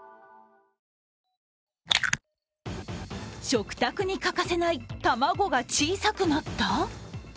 食卓に欠かせない卵が小さくなった？